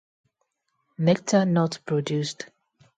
Nectar not produced.